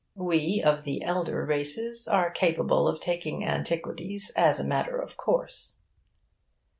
We of the elder races are capable of taking antiquities as a matter of course.